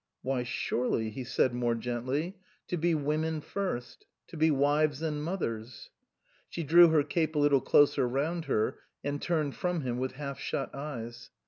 "Why surely," he said more gently, "to be women first to be wives and mothers." She drew her cape a little closer round her and turned from him with half shut eyes.